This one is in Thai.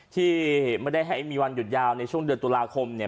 ที่ไม่ได้ให้มีวันหยุดยาวในช่วงเดือนตุลาคมเนี่ย